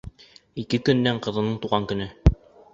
Ике көндән ҡыҙының тыуған көнө.